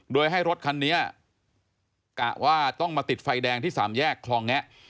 โดยให้รถคันนี้กะว่าต้องมาติดไฟแดงที่สามแยกคลองแงะ